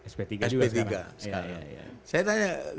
sp tiga juga sekarang